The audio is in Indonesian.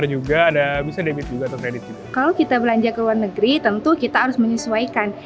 jadi tentu kita harus menyesuaikan